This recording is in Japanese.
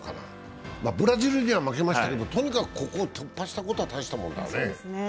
ブラジルには負けましたけど、とにかくここを突破したことは大したもんだよね。